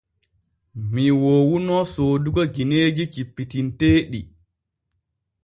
Mii woowuno soodugo gineeji cippitinteeɗi.